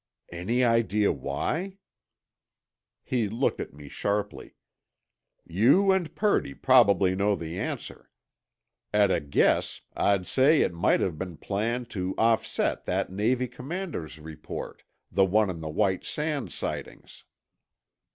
"Any idea why?" He looked at me sharply. "You and Purdy probably know the answer. At a guess, I'd say it might have been planned to offset that Navy commander's report—the one on the White Sands sightings."